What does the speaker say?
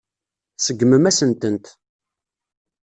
Tseggmem-asen-tent.